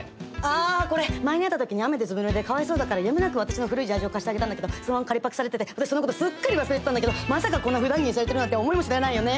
あこれ前に会った時に雨でずぶぬれでかわいそうだからやむなく私の古いジャージを貸してあげたんだけどそのまま借りパクされてて私そのことすっかり忘れてたんだけどまさかこんなふだん着にされてるなんて思いもしないよね。